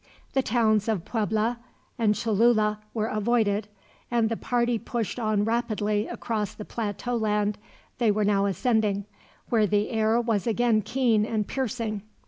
The towns of Puebla and Cholula were avoided, and the party pushed on rapidly across the plateau land they were now ascending, where the air was again keen and piercing.